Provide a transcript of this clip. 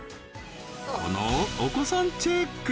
このお子さんチェック